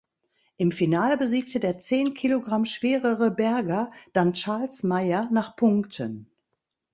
Im Finale besiegte der zehn Kilogramm schwerere Berger dann Charles Mayer nach Punkten.